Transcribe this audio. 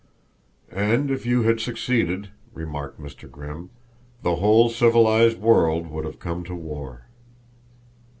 "And if you had succeeded," remarked Mr. Grimm, "the whole civilized world would have come to war."